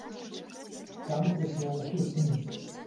Там хлусня на хлусні.